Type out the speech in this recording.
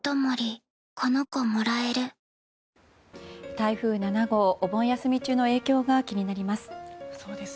台風７号、お盆休み中の影響が気になります。